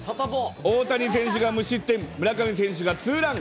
大谷選手が無失点、村上選手がツーラン。